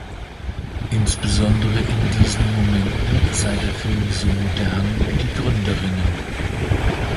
Insbesondere in diesen Momenten sei der Film so modern wie die Gründerinnen.